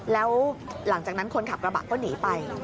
แล้วหลังจากนั้นคนขับกระบะก็หนีไป